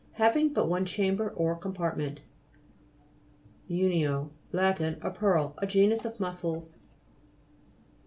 Having but one chamber or compartment. U'NIO Lat. A pearl. A genus of mussels.